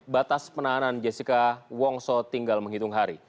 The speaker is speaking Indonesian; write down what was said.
batas penahanan jessica wongso tinggal menghitung hari